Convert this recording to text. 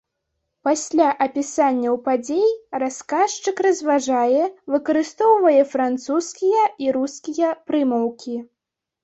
Пасля апісанняў падзей расказчык разважае, выкарыстоўвае французскія і рускія прымаўкі.